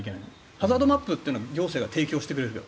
ハザードマップというのは行政が提供してくれるけど。